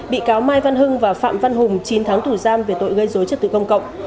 bị cáo mai văn hưng và phạm văn hùng chín tháng tù giam về tội gây dối trật tự công cộng